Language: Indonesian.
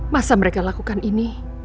masa mereka lakukan ini